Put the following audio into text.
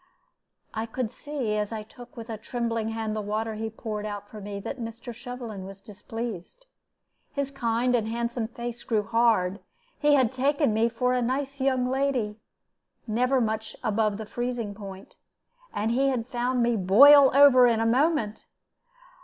I could see, as I took with a trembling hand the water he poured out for me, that Mr. Shovelin was displeased. His kind and handsome face grew hard. He had taken me for a nice young lady, never much above the freezing point, and he had found me boil over in a moment.